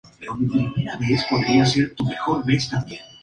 Posee dos hoteles y mercados de lunes.